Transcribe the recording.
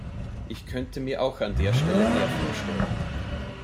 Ich könnte mir auch an der Stelle mehr vorstellen.